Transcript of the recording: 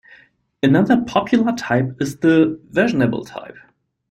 Another popular type is the versionable type.